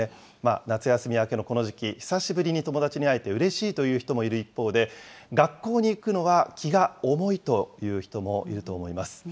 夏休み明けのこの時期、久しぶりに友達に会えてうれしいという人もいる一方で、学校に行くのは気が重いという人もいると思います。